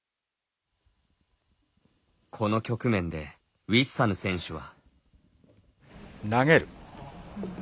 この局面でウィッサヌ選手は。